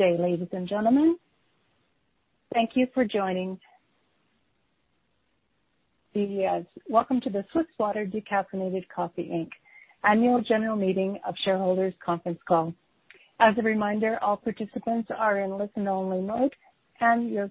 Good day, ladies and gentlemen. Thank you for joining me here. Welcome to the Swiss Water Decaffeinated Coffee Inc. Annual General Meeting of Shareholders conference call. As a reminder, all participants are in listen only mode, and your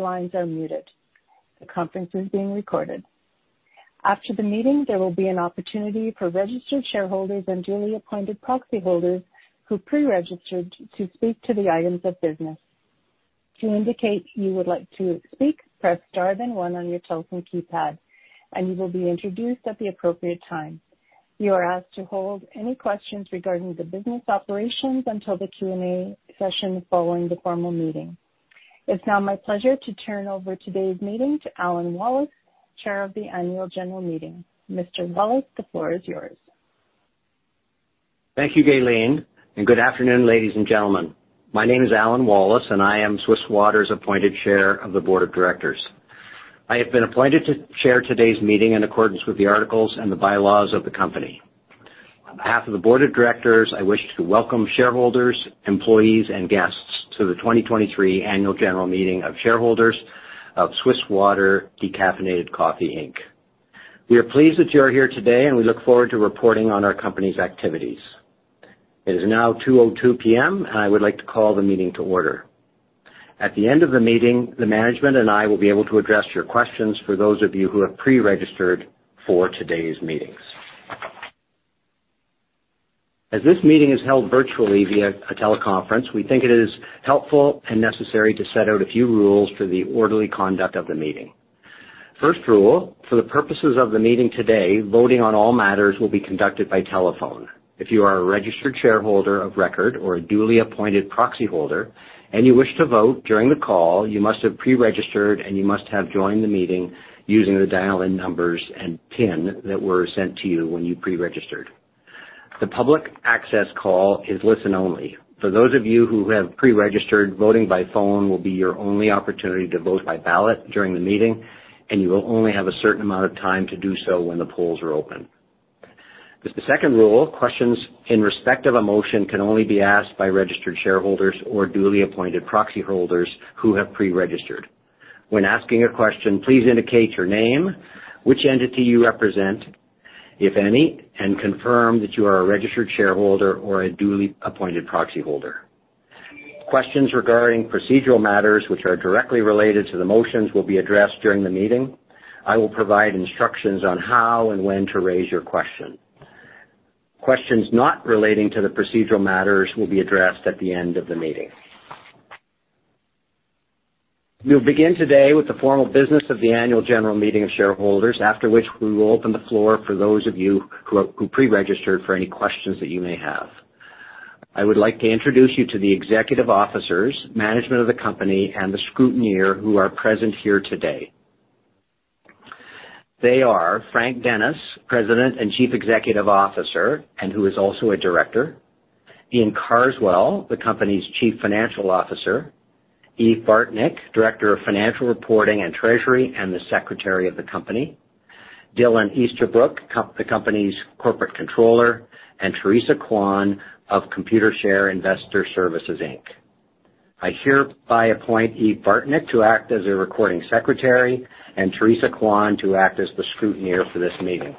lines are muted. The conference is being recorded. After the meeting, there will be an opportunity for registered shareholders and duly appointed proxy holders who pre-registered to speak to the items of business. To indicate you would like to speak, press star, then one on your telephone keypad, and you will be introduced at the appropriate time. You are asked to hold any questions regarding the business operations until the Q&A session following the formal meeting. It's now my pleasure to turn over today's meeting to Alan Wallace, Chair of the Annual General Meeting. Mr. Wallace, the floor is yours. Thank you, Gaylene, and good afternoon, ladies and gentlemen. My name is Alan Wallace, and I am Swiss Water's appointed Chair of the Board of Directors. I have been appointed to chair today's meeting in accordance with the articles and the bylaws of the company. On behalf of the Board of Directors, I wish to welcome shareholders, employees, and guests to the 2023 annual general meeting of shareholders of Swiss Water Decaffeinated Coffee Inc. We are pleased that you are here today, and we look forward to reporting on our company's activities. It is now 2:02 P.M., and I would like to call the meeting to order. At the end of the meeting, the management and I will be able to address your questions for those of you who have pre-registered for today's meetings. As this meeting is held virtually via a teleconference, we think it is helpful and necessary to set out a few rules for the orderly conduct of the meeting. First rule, for the purposes of the meeting today, voting on all matters will be conducted by telephone. If you are a registered shareholder of record or a duly appointed proxy holder and you wish to vote during the call, you must have pre-registered, and you must have joined the meeting using the dial-in numbers and PIN that were sent to you when you pre-registered. The public access call is listen only. For those of you who have pre-registered, voting by phone will be your only opportunity to vote by ballot during the meeting, and you will only have a certain amount of time to do so when the polls are open. The second rule, questions in respect of a motion can only be asked by registered shareholders or duly appointed proxy holders who have pre-registered. When asking a question, please indicate your name, which entity you represent, if any, and confirm that you are a registered shareholder or a duly appointed proxy holder. Questions regarding procedural matters which are directly related to the motions will be addressed during the meeting. I will provide instructions on how and when to raise your question. Questions not relating to the procedural matters will be addressed at the end of the meeting. We'll begin today with the formal business of the annual general meeting of shareholders, after which we will open the floor for those of you who pre-registered for any questions that you may have. I would like to introduce you to the executive officers, management of the company, and the scrutineer who are present here today. They are Frank Dennis, President and Chief Executive Officer, and who is also a director. Iain Carswell, the company's Chief Financial Officer. Eve Bartnik, Director of Financial Reporting and Treasury, and the Secretary of the company. Dylan Easterbrook, the company's Corporate Controller, and Teresa Kwan of Computershare Investor Services Inc. I hereby appoint Eve Bartnik to act as a recording secretary and Teresa Kwan to act as the scrutineer for this meeting.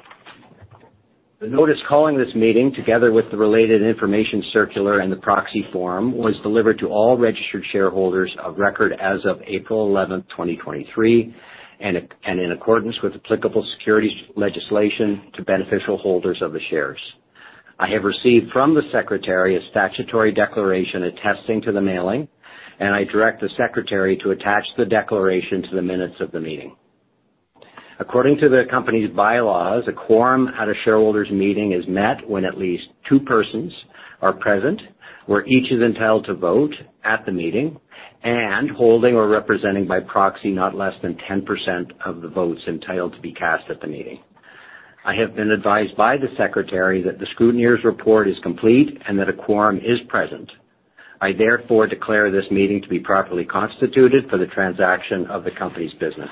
The notice calling this meeting, together with the related information circular and the proxy form, was delivered to all registered shareholders of record as of April 11, 2023, and in accordance with applicable securities legislation to beneficial holders of the shares. I have received from the secretary a statutory declaration attesting to the mailing, and I direct the secretary to attach the declaration to the minutes of the meeting. According to the company's bylaws, a quorum at a shareholders' meeting is met when at least two persons are present, where each is entitled to vote at the meeting and holding or representing by proxy not less than 10% of the votes entitled to be cast at the meeting. I have been advised by the secretary that the scrutineer's report is complete and that a quorum is present. I therefore declare this meeting to be properly constituted for the transaction of the company's business.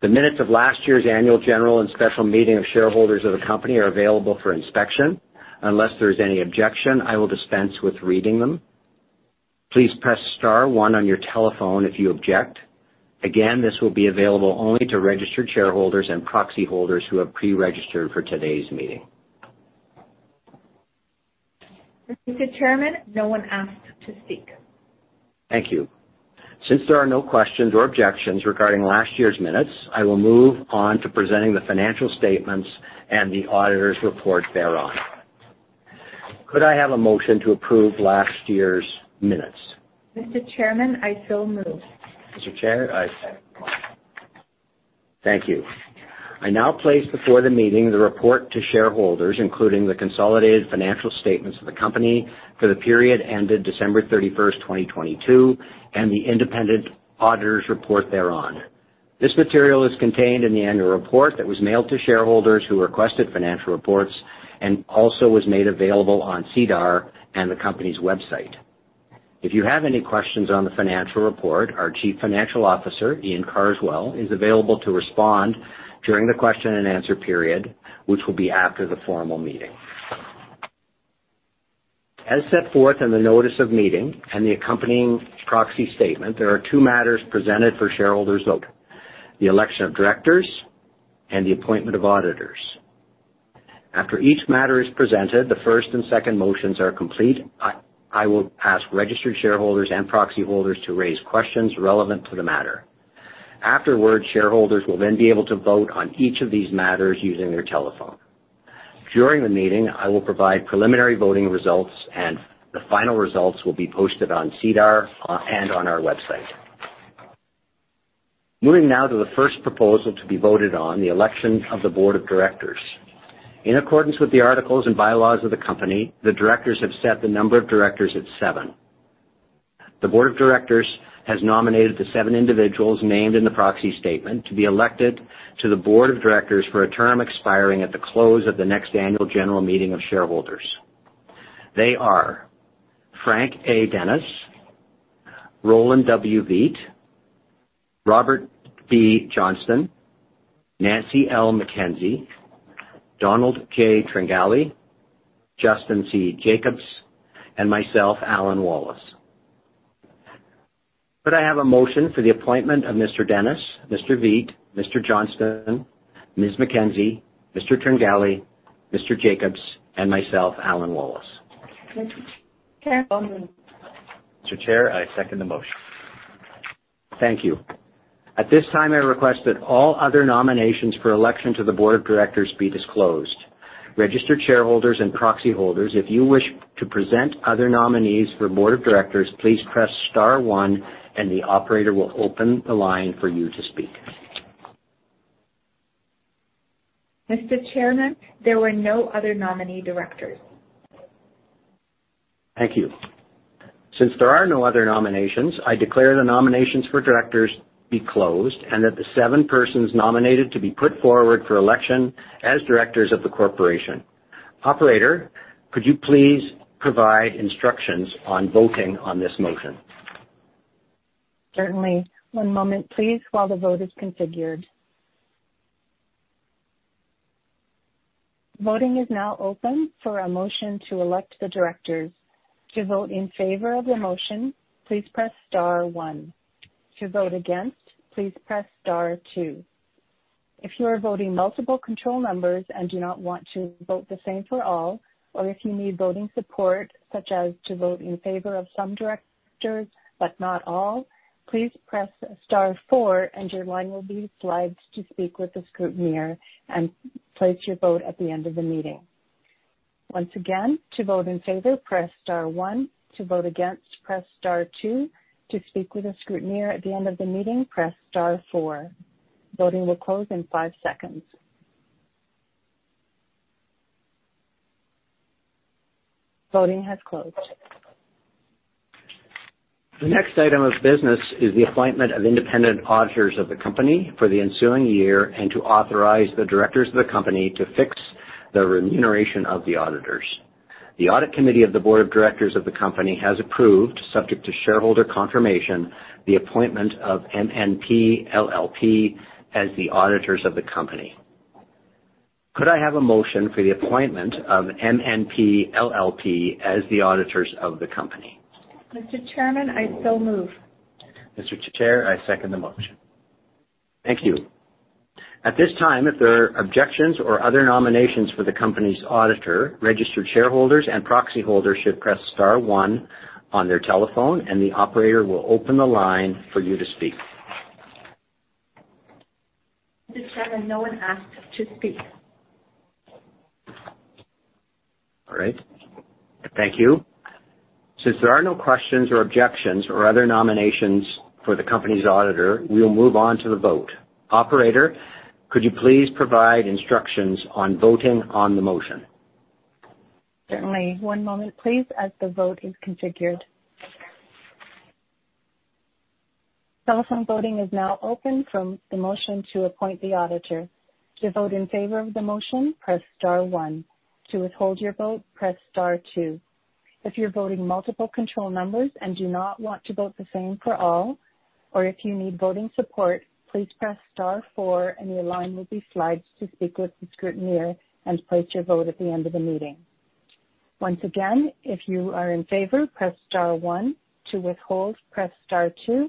The minutes of last year's annual general and special meeting of shareholders of the company are available for inspection. Unless there is any objection, I will dispense with reading them. Please press star one on your telephone if you object. Again, this will be available only to registered shareholders and proxy holders who have pre-registered for today's meeting. Mr. Chairman, no one asked to speak. Thank you. Since there are no questions or objections regarding last year's minutes, I will move on to presenting the financial statements and the auditor's report thereon. Could I have a motion to approve last year's minutes? Mr. Chairman, I so move. Mr. Chair, I second. Thank you. I now place before the meeting the report to shareholders, including the consolidated financial statements of the company for the period ended December 31, 2022, and the independent auditor's report thereon. This material is contained in the annual report that was mailed to shareholders who requested financial reports and also was made available on SEDAR and the company's website. If you have any questions on the financial report, our Chief Financial Officer, Iain Carswell, is available to respond during the question and answer period, which will be after the formal meeting. As set forth in the notice of meeting and the accompanying proxy statement, there are two matters presented for shareholders' vote: the election of directors and the appointment of auditors. After each matter is presented, the first and second motions are complete, I will ask registered shareholders and proxy holders to raise questions relevant to the matter. Afterward, shareholders will then be able to vote on each of these matters using their telephone. During the meeting, I will provide preliminary voting results, and the final results will be posted on SEDAR and on our website. Moving now to the first proposal to be voted on, the election of the board of directors. In accordance with the articles and bylaws of the company, the directors have set the number of directors at seven. The board of directors has nominated the seven individuals named in the proxy statement to be elected to the board of directors for a term expiring at the close of the next annual general meeting of shareholders. They are Frank A. Dennis, Roland W. Veit, Robert B. Johnston, Nancy L. McKenzie, Donald K. Tringali, Justin C. Jacobs, and myself, Alan Wallace. Could I have a motion for the appointment of Mr. Dennis, Mr. Veit, Mr. Johnston, Ms. McKenzie, Mr. Tringali, Mr. Jacobs, and myself, Alan Wallace? Mr. Chair. Mr. Chair, I second the motion. Thank you. At this time, I request that all other nominations for election to the board of directors be disclosed. Registered shareholders and proxy holders, if you wish to present other nominees for board of directors, please press star one and the operator will open the line for you to speak. Mr. Chairman, there were no other nominee directors. Thank you. Since there are no other nominations, I declare the nominations for directors be closed and that the seven persons nominated to be put forward for election as directors of the corporation. Operator, could you please provide instructions on voting on this motion? Certainly. One moment, please, while the vote is configured. Voting is now open for a motion to elect the directors. To vote in favor of the motion, please press star one. To vote against, please press star two. If you are voting multiple control numbers and do not want to vote the same for all, or if you need voting support, such as to vote in favor of some directors, but not all, please press star four and your line will be flagged to speak with the scrutineer and place your vote at the end of the meeting. Once again, to vote in favor, press star one. To vote against, press star two. To speak with a scrutineer at the end of the meeting, press star four. Voting will close in five seconds. Voting has closed. The next item of business is the appointment of independent auditors of the company for the ensuing year and to authorize the directors of the company to fix the remuneration of the auditors. The audit committee of the board of directors of the company has approved, subject to shareholder confirmation, the appointment of MNP LLP as the auditors of the company. Could I have a motion for the appointment of MNP LLP as the auditors of the company? Mr. Chairman, I so move. Mr. Chair, I second the motion. Thank you. At this time, if there are objections or other nominations for the company's auditor, registered shareholders and proxy holders should press star one on their telephone, and the operator will open the line for you to speak. Mr. Chairman, no one asked to speak. All right. Thank you. Since there are no questions or objections or other nominations for the company's auditor, we'll move on to the vote. Operator, could you please provide instructions on voting on the motion? Certainly. One moment, please, as the vote is configured. Telephone voting is now open for the motion to appoint the auditor. To vote in favor of the motion, press star one. To withhold your vote, press star two. If you're voting multiple control numbers and do not want to vote the same for all, or if you need voting support, please press star four and your line will be flagged to speak with the scrutineer and place your vote at the end of the meeting. Once again, if you are in favor, press star one. To withhold, press star two,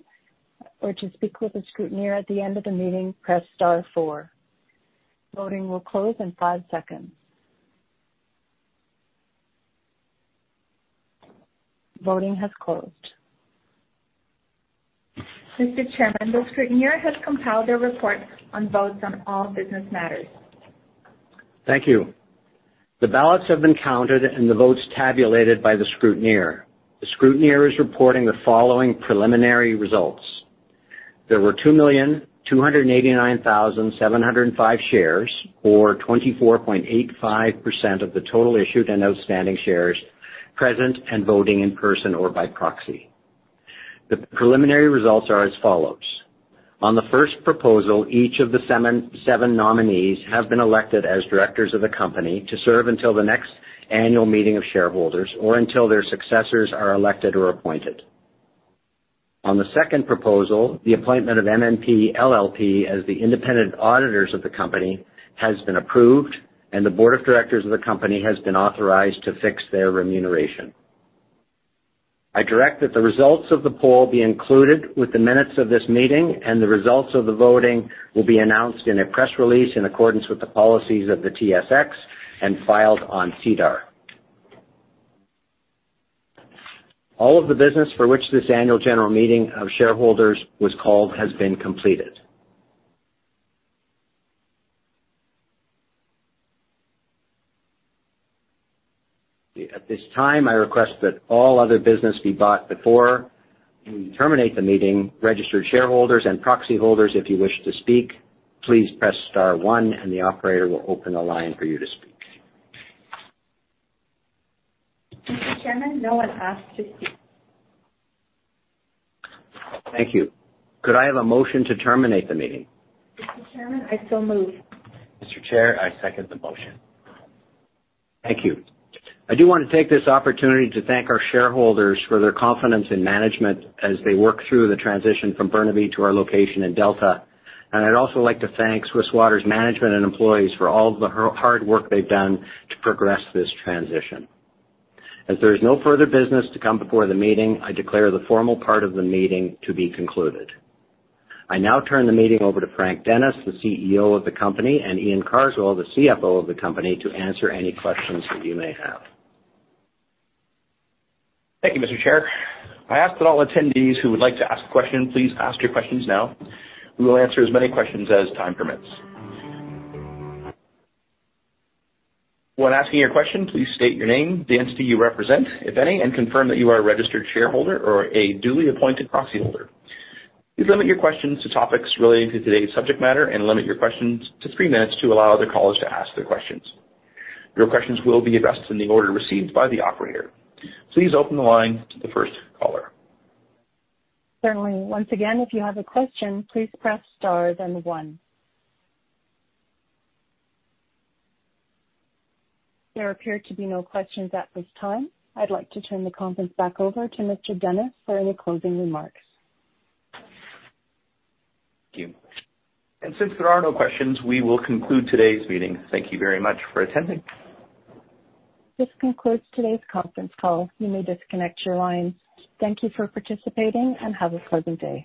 or to speak with a scrutineer at the end of the meeting, press star four. Voting will close in five seconds. Voting has closed. Mr. Chairman, the scrutineer has compiled their report on votes on all business matters. Thank you. The ballots have been counted and the votes tabulated by the scrutineer. The scrutineer is reporting the following preliminary results. There were 2,289,705 shares, or 24.85% of the total issued and outstanding shares present and voting in person or by proxy. The preliminary results are as follows. On the first proposal, each of the seven nominees have been elected as directors of the company to serve until the next annual meeting of shareholders, or until their successors are elected or appointed. On the second proposal, the appointment of MNP LLP as the independent auditors of the company has been approved, and the board of directors of the company has been authorized to fix their remuneration. I direct that the results of the poll be included with the minutes of this meeting, and the results of the voting will be announced in a press release in accordance with the policies of the TSX and filed on SEDAR. All of the business for which this annual general meeting of shareholders was called has been completed. At this time, I request that all other business be brought before we terminate the meeting. Registered shareholders and proxy holders, if you wish to speak, please press star one and the operator will open the line for you to speak. Mr. Chairman, no one asked to speak. Thank you. Could I have a motion to terminate the meeting? Mr. Chairman, I so move. Mr. Chair, I second the motion. Thank you. I do want to take this opportunity to thank our shareholders for their confidence in management as they work through the transition from Burnaby to our location in Delta. I'd also like to thank Swiss Water's management and employees for all of the hard work they've done to progress this transition. As there is no further business to come before the meeting, I declare the formal part of the meeting to be concluded. I now turn the meeting over to Frank Dennis, the CEO of the company, and Iain Carswell, the CFO of the company, to answer any questions that you may have. Thank you, Mr. Chair. I ask that all attendees who would like to ask a question, please ask your questions now. We will answer as many questions as time permits. When asking your question, please state your name, the entity you represent, if any, and confirm that you are a registered shareholder or a duly appointed proxy holder. Please limit your questions to topics relating to today's subject matter and limit your questions to three minutes to allow other callers to ask their questions. Your questions will be addressed in the order received by the operator. Please open the line to the first caller. Certainly. Once again, if you have a question, please press star, then one. There appear to be no questions at this time. I'd like to turn the conference back over to Mr. Dennis for any closing remarks. Thank you. Since there are no questions, we will conclude today's meeting. Thank you very much for attending. This concludes today's conference call. You may disconnect your line. Thank you for participating and have a pleasant day.